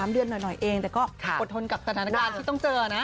๓เดือนหน่อยเองแต่ก็อดทนกับสถานการณ์ที่ต้องเจอนะ